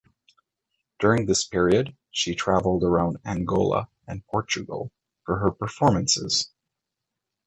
During this period, she travelled around Angola and Portugal for her performances.